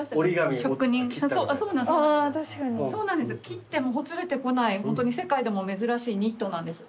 切ってもほつれてこないホントに世界でも珍しいニットなんです。